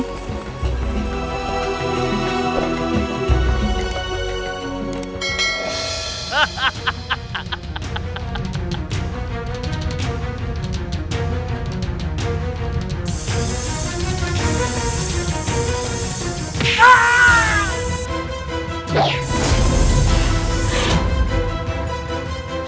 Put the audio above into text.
aku akan menangkapmu